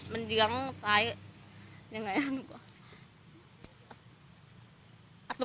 มันยื้มข้างไก่